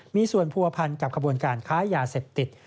มีส่วนผัวพันกับขบวนการค้ายาเสพติด